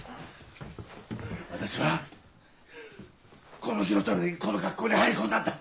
私はこの日のためにこの学校に入り込んだんだ。